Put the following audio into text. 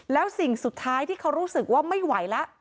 แล้วสิ่งสุดท้ายที่เขารู้สึกว่าไม่ไหวแล้ว